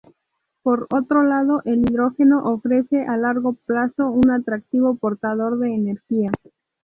Por otro lado el hidrógeno ofrece a largo plazo un atractivo portador de energía.